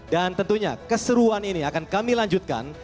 dan tentunya keseruan ini akan kami lanjutkan